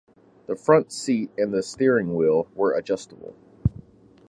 The front seat and the steering wheel were adjustable.